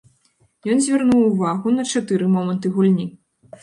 Ён звярнуў увагу на чатыры моманты гульні.